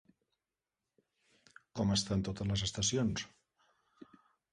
Com estan totes les estacions?